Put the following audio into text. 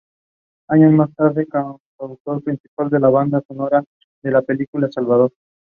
Hugenberg used the newsreel to foster support for Adolf Hitler.